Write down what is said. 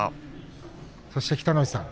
そして、北の富士さん